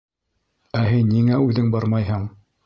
— Ә һин ниңә үҙең бармайһың?